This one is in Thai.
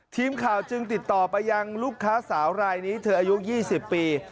ทีมข่าวจึงติดต่อไปยังลูกค้าสาวรายนี้เธออายุ๒๐ปี